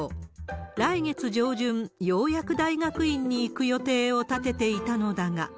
来月上旬、ようやく大学院に行く予定を立てていたのだが。